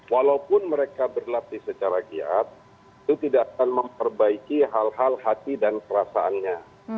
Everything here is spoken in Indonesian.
walaupun mereka berlatih secara giat itu tidak akan memperbaiki hal hal hati dan perasaannya